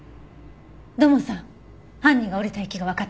土門さん犯人が降りた駅がわかった。